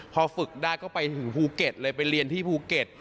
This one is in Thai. พอฝึกได้ก็ไปถึงภูเก็ตเลยไปเรียนที่ภูเก็ต